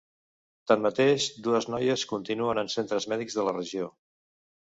Tanmateix, dues noies continuen en centres mèdics de la regió.